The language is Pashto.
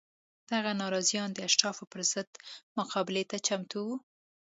دغه ناراضیان د اشرافو پر ضد مقابلې ته چمتو وو